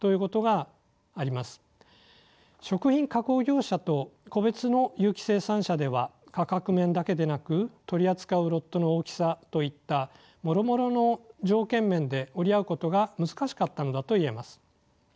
食品加工業者と個別の有機生産者では価格面だけでなく取り扱うロットの大きさといったもろもろの条件面で折り合うことが難しかったのだと言えます。